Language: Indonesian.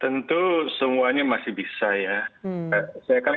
tentu semuanya masih bisa ya saya kan